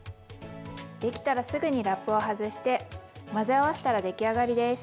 できたらすぐにラップを外して混ぜ合わしたら出来上がりです。